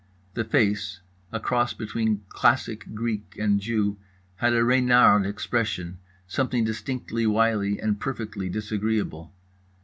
The face, a cross between classic Greek and Jew, had a Reynard expression, something distinctly wily and perfectly disagreeable.